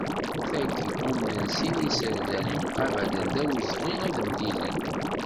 Dagi umnen sin yiserdan yemqabalen d awezɣi ad mlilen.